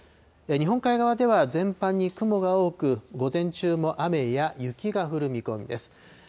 日本海側では全般に雲が多く、午前中も雨や雪が降る見込みです。